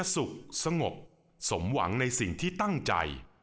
สุขสงบสมหวังในสิ่งที่ตั้งใจ